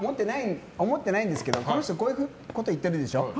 思ってないんですけどこの人こういうこと言ってるでしょ。